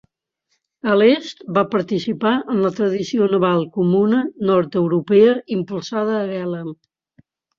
A l'est va participar en la tradició naval comuna nord-europea impulsada a vela.